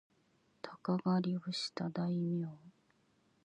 鷹狩をした大名